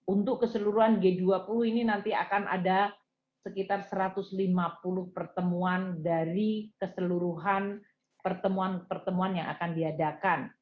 untuk keseluruhan g dua puluh ini nanti akan ada sekitar satu ratus lima puluh pertemuan dari keseluruhan pertemuan pertemuan yang akan diadakan